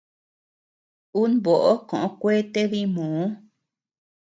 Un boʼo koʼö kuete dimoo.